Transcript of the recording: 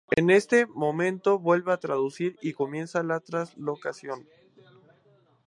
En este momento vuelve a traducir y comienza la translocación.